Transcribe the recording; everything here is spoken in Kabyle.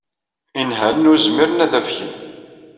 Inhalen ur zmiren ad afgen.